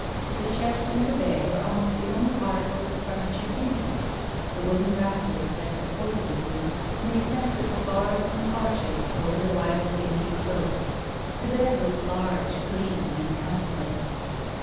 The chest and the bed were almost the only articles of furniture in it. The wooden rafters that supported the roof made fanciful bars and arches over the white dimity quilt. The bed was large, clean and comfortless.